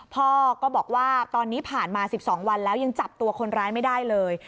พ่อก็บอกว่าตอนนี้ผ่านมา๑๒วันแล้วยังจับตัวคนร้ายไม่ได้เลย